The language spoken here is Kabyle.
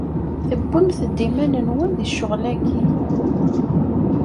Tewwimt-d iman-nwen deg ccɣel-agi.